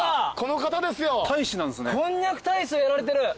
こんにゃく大使をやられてる。